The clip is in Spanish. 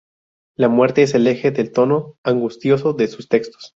La muerte es el eje del tono angustioso de sus textos"".